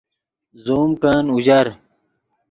زوم کن اوژر